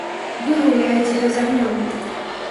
Вы гуляецеся з агнём.